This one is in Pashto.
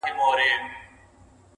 ستا په صبر کي بڅری د پېغور دی -